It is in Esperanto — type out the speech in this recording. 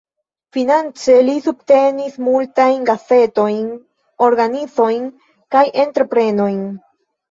Finance li subtenis multajn gazetojn, organizojn kaj entreprenojn.